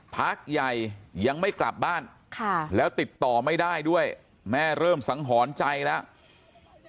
พักใหญ่ยังไม่กลับบ้านแล้วติดต่อไม่ได้ด้วยแม่เริ่มสังหรณ์ใจแล้ว